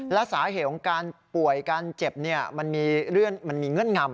และสาเหตุของการป่วยการเจ็บมันมีเงื่อนงำ